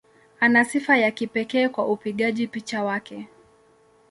Ana sifa ya kipekee kwa upigaji picha wake.